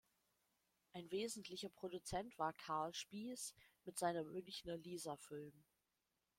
Ein wesentlicher Produzent war Karl Spiehs mit seiner Münchner Lisa Film.